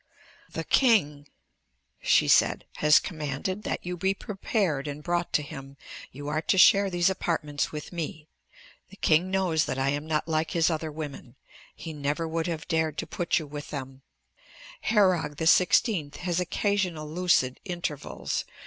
"The king," she said, "has commanded that you be prepared and brought to him. You are to share these apartments with me. The king knows that I am not like his other women. He never would have dared to put you with them. Herog XVI has occasional lucid intervals.